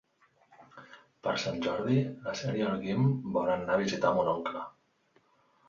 Per Sant Jordi na Cel i en Guim volen anar a visitar mon oncle.